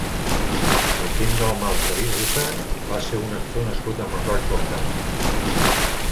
Joaquim Dalmau Tarifa va ser un actor nascut a Mont-roig del Camp.